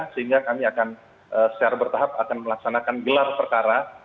sehingga kami akan secara bertahap akan melaksanakan gelar perkara